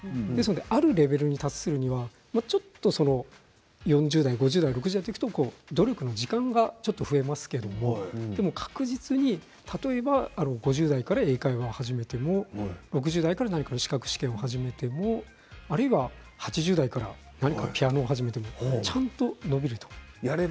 あるレベルに達するには４０代、５０代、６０代と努力の時間が増えますけれどでも確実に例えば５０代から英会話を始めても６０代から何かの資格試験を始めてもあるいは８０代から何かピアノを始めてもやれば。